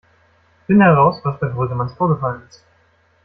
Finde heraus, was bei Brüggemanns vorgefallen ist.